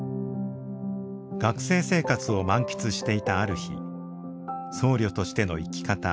学生生活を満喫していたある日僧侶としての生き方